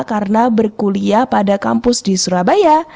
karena berkuliah pada kampus di surabaya